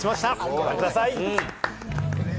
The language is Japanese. ご覧ください。